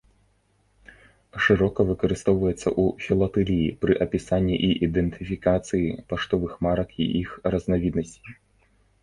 Шырока выкарыстоўваецца ў філатэліі пры апісанні і ідэнтыфікацыі паштовых марак і іх разнавіднасцей.